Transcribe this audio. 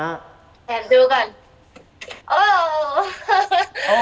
แอบดูก่อน